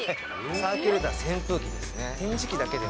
サーキュレーター、扇風機ですね。